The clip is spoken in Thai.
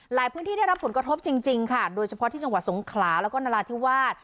พื้นที่ได้รับผลกระทบจริงค่ะโดยเฉพาะที่จังหวัดสงขลาแล้วก็นราธิวาส